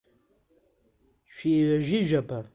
Шәиҩажәижәаба.